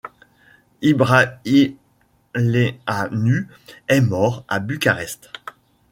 Ibrăileanu est mort à Bucarest.